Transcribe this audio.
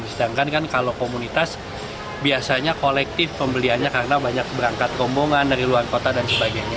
sedangkan kan kalau komunitas biasanya kolektif pembeliannya karena banyak berangkat rombongan dari luar kota dan sebagainya